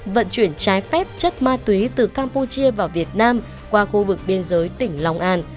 vận chuyển trái phép chất ma túy từ campuchia vào việt nam qua khu vực biên giới tỉnh long an